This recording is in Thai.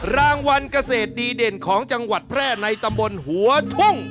รางวัลเกษตรดีเด่นของจังหวัดแพร่ในตำบลหัวทุ่ง